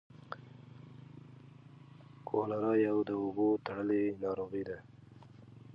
کولرا یوه د اوبو تړلۍ ناروغي ده.